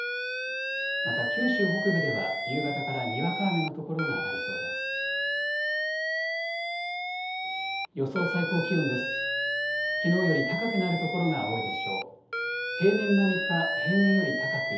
また九州北部では夕方からにわか雨の所がありそうです。